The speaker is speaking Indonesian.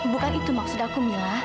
bukan itu maksud aku mila